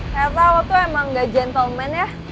kayaknya lo tuh emang gak gentleman ya